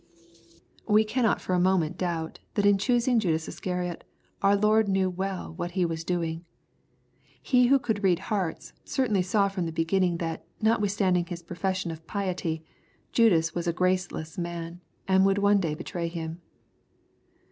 We cannot for a moment doubt, that in choosiLg Judas Iscariot, our Lord Jesus knew well what He was doing. He who could read hearts, certainly saw from the beginning that, notwithstanding his profession of piety, Judas was a graceless man, and would one day betray Him.